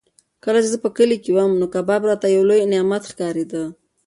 کله چې زه په کلي کې وم نو کباب راته یو لوی نعمت ښکارېده.